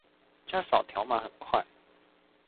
這樣掃條碼很快